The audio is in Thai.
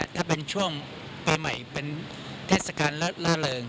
ถ้าเป็นช่วงปีใหม่เป็นเทศกาลล่าเริง